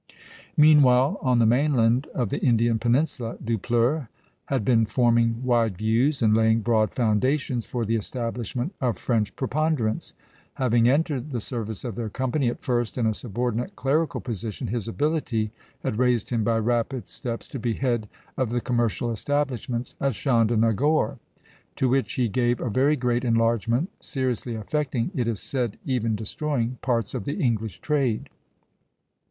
Meanwhile, on the mainland of the Indian peninsula, Dupleix had been forming wide views and laying broad foundations for the establishment of French preponderance. Having entered the service of their company at first in a subordinate clerical position, his ability had raised him by rapid steps to be head of the commercial establishments at Chandernagore, to which he gave a very great enlargement, seriously affecting, it is said even destroying, parts of the English trade.